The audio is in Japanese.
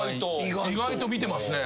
意外と見てますね。